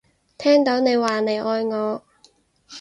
聽到你話你愛我